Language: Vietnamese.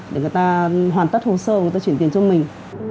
để người ta hoàn tất hồ sơ người ta chuyển tiền cho mình